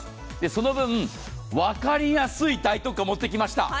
その分、分かりやすい大特価、持ってきました。